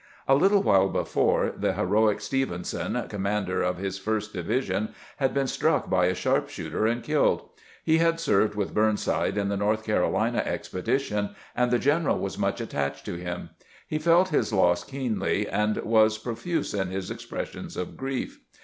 A little while before, the heroic Stevenson, com mander of his first division, had been struck by a sharp shooter and killed. He had served with Burnside in the North Carolina expedition, and the general was much attached to him. He felt his loss keenly, and was profuse in his expressions of grief.